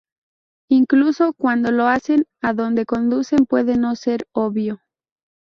Incluso cuando lo hacen, a dónde conducen puede no ser obvio.